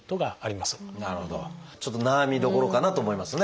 ちょっと悩みどころかなと思いますね。